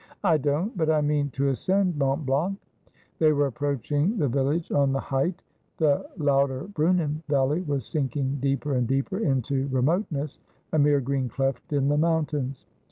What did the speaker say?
' I don't ; but I mean to ascend Mont Blanc' They were approaching the village on the height. The Lauterbrunnen valley was sinking deeper and deeper into re moteness, a mere green cleft in the mountains.